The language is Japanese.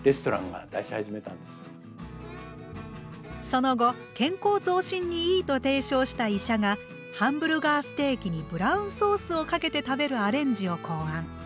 その後健康増進にいいと提唱した医者がハンブルガーステーキにブラウンソースをかけて食べるアレンジを考案。